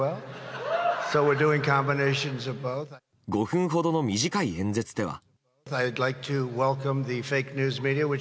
５分ほどの短い演説では。